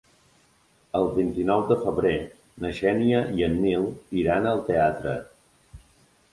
El vint-i-nou de febrer na Xènia i en Nil iran al teatre.